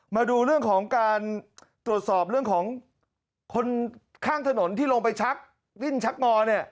มาดูเรื่องของการตรวจสอบเรื่องของคนข้างถนนที่ลงไปชักดิ้นชักงอเนี่ย